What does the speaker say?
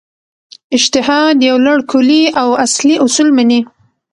اجتهاد یو لړ کُلي او اصلي اصول مني.